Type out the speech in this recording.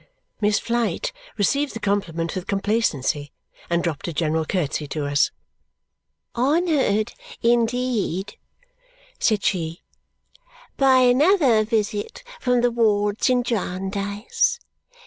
Miss Flite received the compliment with complacency and dropped a general curtsy to us. "Honoured, indeed," said she, "by another visit from the wards in Jarndyce!